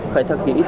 khai thác kỹ